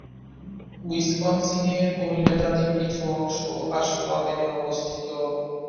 উইসকনসিনের ওনিডা জাতির কিছু অংশ আশওয়াবেনে অবস্থিত।